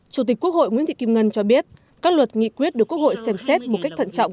chủ tịch quốc hội nguyễn thị kim ngân cho biết các luật nghị quyết được quốc hội xem xét một cách thận trọng